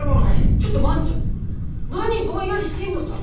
ちょっと万ちゃん何ぼんやりしてんのさ！